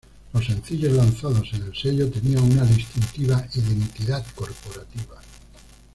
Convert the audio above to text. Los sencillos lanzados en el sello tenían una distintiva "identidad corporativa".